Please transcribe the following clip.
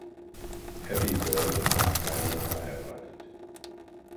Abby Berlin war zweimal verheiratet.